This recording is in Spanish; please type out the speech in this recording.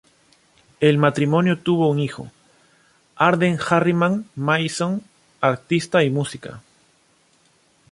El matrimonio tuvo un hijo, Arden Harriman Mason, artista y músico.